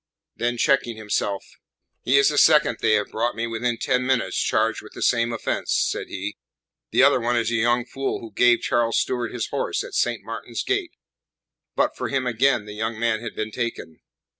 Then, checking himself: "He is the second they have brought me within ten minutes charged with the same offence," said he. "The other one is a young fool who gave Charles Stuart his horse at Saint Martin's Gate. But for him again the young man had been taken."